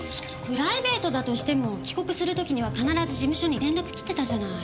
プライベートだとしても帰国する時には必ず事務所に連絡きてたじゃない。